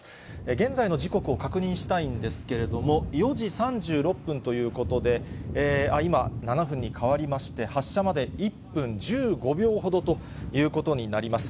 現在の時刻を確認したいんですけれども、４時３６分ということで、今、７分に変わりまして、発射まで１分１５秒ほどということになります。